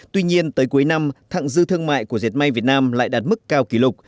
tuy nhiên tới cuối năm thẳng dư thương mại của diệt may việt nam lại đạt mức cao kỷ lục